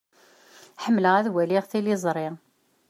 Ḥemmleɣ ad waliɣ tiliẓṛi.